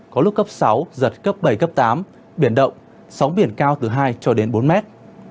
có lúc cấp sáu giật cấp bảy cấp tám biển động sóng biển cao từ hai cho đến bốn mét